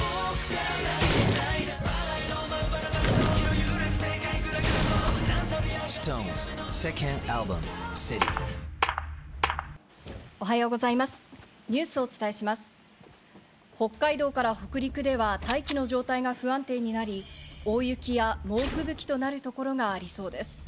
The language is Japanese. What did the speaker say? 北海道から北陸では大気の状態が不安定になり、大雪や猛ふぶきとなるところがありそうです。